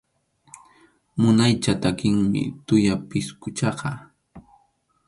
Munaycha takiqmi tuya pisquchaqa.